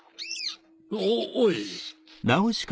おっおい。